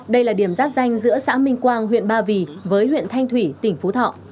đây là điểm giáp danh giữa xã minh quang huyện ba vì với huyện thanh thủy tỉnh phú thọ